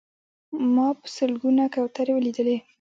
ما په سلګونه کوترې ولیدلې.